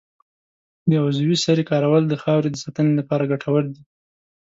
د عضوي سرې کارول د خاورې د ساتنې لپاره ګټور دي.